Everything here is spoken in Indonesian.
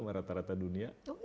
sama rata rata dunia